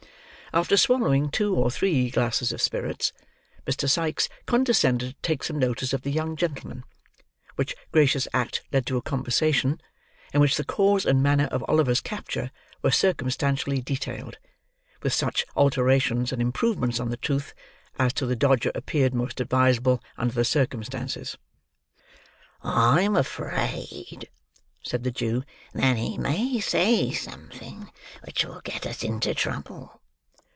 After swallowing two of three glasses of spirits, Mr. Sikes condescended to take some notice of the young gentlemen; which gracious act led to a conversation, in which the cause and manner of Oliver's capture were circumstantially detailed, with such alterations and improvements on the truth, as to the Dodger appeared most advisable under the circumstances. "I'm afraid," said the Jew, "that he may say something which will get us into trouble."